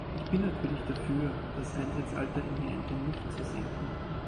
Ich bin natürlich dafür, das Eintrittsalter in die Rente nicht zu senken.